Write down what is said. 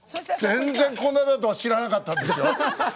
全然、こんなだとは知らなかったです！